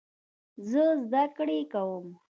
زه زده کړې کوم.